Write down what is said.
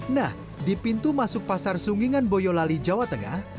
nah di pintu masuk pasar sungingan boyolali jawa tengah